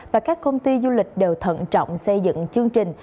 và các công ty du lịch đều thận trọng xây dựng chương trình